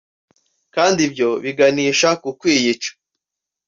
kandi ibyo biganisha ku kwiyica